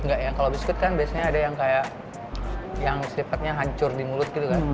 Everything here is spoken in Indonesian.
enggak ya kalau biskuit kan biasanya ada yang kayak yang sifatnya hancur di mulut gitu kan